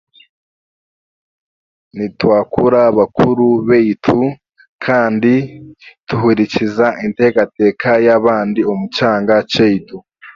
Nitwakura bakuru baitu kandi tuhurikiza enteekateeka yabandi omu kyanga kyaitu